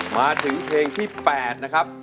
มาถึงเพลงที่๘นะครับ